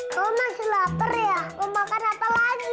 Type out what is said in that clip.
kau masih lapar ya mau makan apa lagi